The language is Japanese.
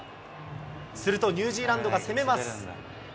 するとニュージーランドが攻めま